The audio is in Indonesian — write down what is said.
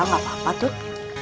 gak apa apa tut